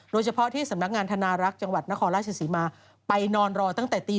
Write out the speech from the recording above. โดยเฉพาะที่สำนักงานธนารักษ์จังหวัดนครราชศรีมาไปนอนรอตั้งแต่ตี